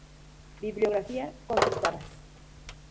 Bibliografía consultada